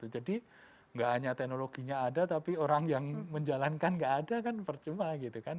nggak hanya teknologinya ada tapi orang yang menjalankan nggak ada kan percuma gitu kan